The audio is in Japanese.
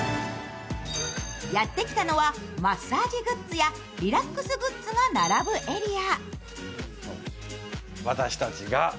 やって来たのはマッサージグッズやリラックスグッズが並ぶエリア。